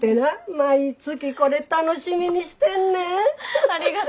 毎月これ楽しみにしてんねん。